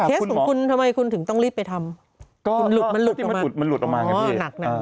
เทสของคุณทำไมคุณถึงต้องรีบไปทำมันหลุดออกมาไงพี่อ๋อหนักน่ะ